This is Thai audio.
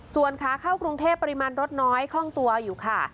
ส่วนขาเข้ากรุงเทพปริมาณรถน้อยคล่องตัวอยู่ค่ะ